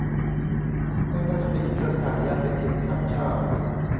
ไม่ว่าจะเป็นเครือข่ายยาเสพติดข้ามชาติ